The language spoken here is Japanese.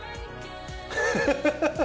ハハハハッ！